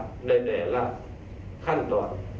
ในแต่ละขั้นตอน